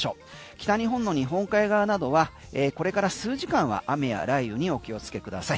北日本の日本海側などはこれから数時間は雨や雷雨にお気をつけください。